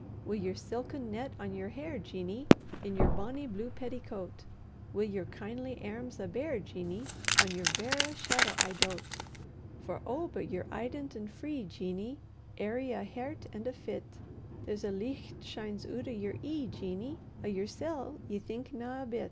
] Wi' yer silken net on yer hair, Jeanie, In yer bonny blue petticoat, Wi' yer kindly airms a' bare, Jeanie, On yer verra shadow I doat. For oh! but ye're eident and free, Jeanie, Airy o' hert and o' fit; There's a licht shines oot o' yer ee, Jeanie; O' yersel' ye thinkna a bit.